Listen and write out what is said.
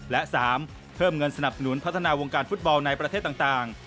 และ๓เพิ่มเงินสนับสนุนพัฒนาวงการฟุตบอลในประเทศต่าง